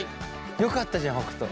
よかったじゃん北斗。